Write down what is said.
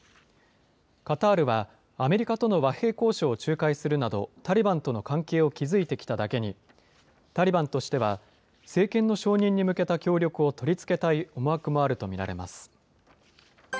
カタールはアメリカとの和平交渉を仲介するなど、タリバンとの関係を築いてきただけに、タリバンとしては、政権の承認に向けた協力を取り付けたい思惑もあると見られます。